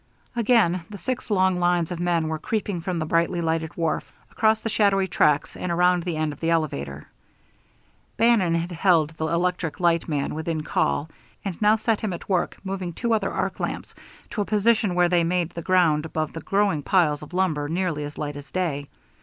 Again the six long lines of men were creeping from the brightly lighted wharf across the shadowy tracks and around the end of the elevator. Bannon had held the electric light man within call, and now set him at work moving two other arc lamps to a position where they made the ground about the growing piles of timber nearly as light as day.